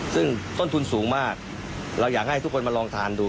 ซึ่งต้นทุนสูงมากเราอยากให้ทุกคนมาลองทานดู